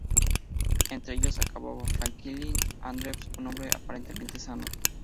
Entre ellos estaba Franklin R. Andrews, un hombre aparentemente sano.